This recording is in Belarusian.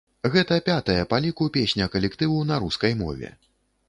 Гэта пятая па ліку песня калектыву на рускай мове.